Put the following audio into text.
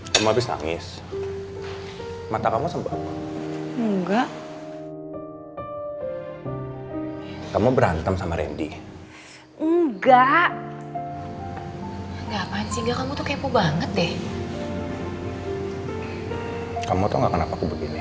sampai jumpa di video selanjutnya